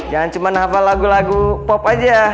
jangan cuma hafal lagu lagu pop aja